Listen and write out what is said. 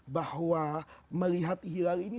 bahwa melihat hilal ini